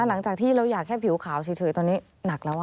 หลังจากที่เราอยากแค่ผิวขาวเฉยตอนนี้หนักแล้ว